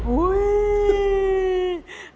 อุ้ย